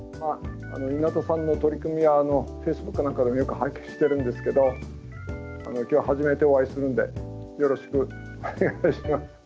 稲田さんの取り組みはＦａｃｅｂｏｏｋか何かでもよく拝見してるんですけど今日初めてお会いするのでよろしくお願いします。